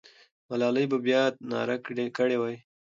ملالۍ به بیا ناره کړې وه.